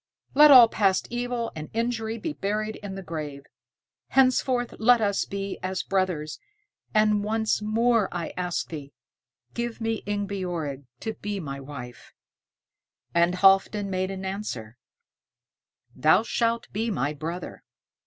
Let all past evil and injury be buried in the grave. Henceforth let us be as brothers, and once more I ask thee, give me Ingebjorg to be my wife." And Halfdan made answer, "Thou shalt be my brother."